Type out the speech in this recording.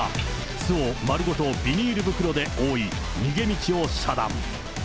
巣を丸ごとビニール袋で覆い、逃げ道を遮断。